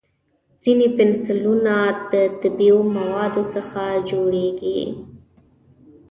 ځینې پنسلونه د طبیعي موادو څخه جوړېږي.